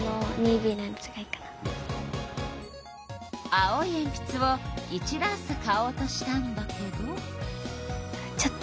青いえんぴつを１ダース買おうとしたんだけど。